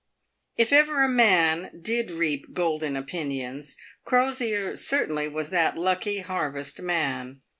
If ever a man did reap golden opinions, Crosier certainly was that lucky harvest man.